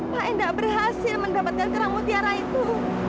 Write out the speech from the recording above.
ma'e tidak berhasil mendapatkan kerangut tiara itu